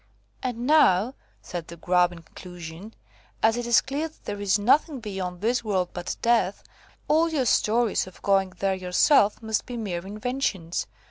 "And now," said the Grub, in conclusion, "as it is clear that there is nothing beyond this world but death, all your stories of going there yourself must be mere inventions.